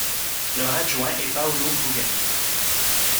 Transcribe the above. Leur adjoint est Paolo Brugali.